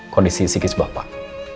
kondisi psikis bapak